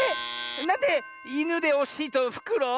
なんでイヌでおしいとフクロウ？